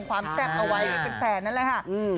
ความแปลกเอาไว้ให้เป็นแฟนนั่นแหละค่ะ